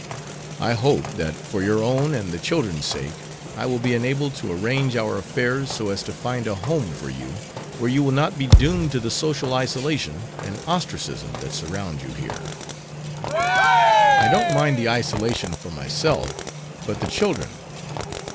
I hope that for your own and the children's sake I will be enabled to arrange our affairs so as to find a home for you where you will not be doomed to the social isolation and ostracism that surround you here." "I don't mind the isolation for myself, but the children.